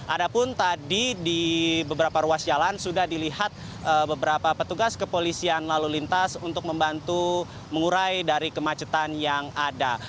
ada pun tadi di beberapa ruas jalan sudah dilihat beberapa petugas kepolisian lalu lintas untuk membantu mengurai dari kemacetan yang ada